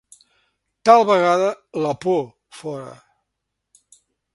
Tal vegada: la por, fora.